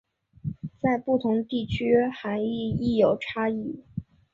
在不同地区涵义亦有差异。